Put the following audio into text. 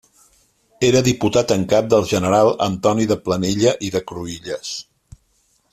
Era Diputat en cap del General Antoni de Planella i de Cruïlles.